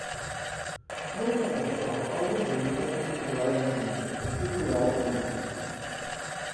No obstant això, alguns d'ells poden ser singular en un context i plural en un altre.